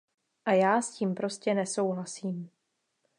A já s tím prostě nesouhlasím.